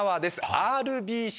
ＲＢＣ